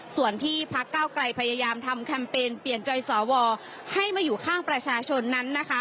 ส่วนที่พักเก้าไกลพยายามทำแคมเปญเปลี่ยนใจสวให้มาอยู่ข้างประชาชนนั้นนะคะ